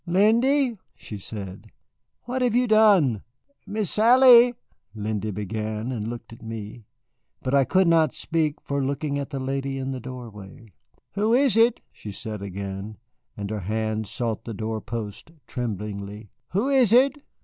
"Lindy," she said, "what have you done?" "Miss Sally " Lindy began, and looked at me. But I could not speak for looking at the lady in the doorway. "Who is it?" she said again, and her hand sought the door post tremblingly. "Who is it?"